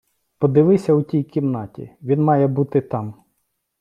Подивися у тій кімнаті, він має бути там.